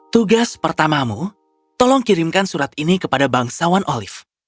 tugas pertamamu tolong kirimkan surat ini kepada bangsawan olive